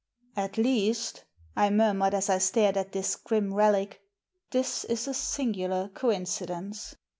"At least," I murmured as I stared at this grim relic, " this is a singular coincidence."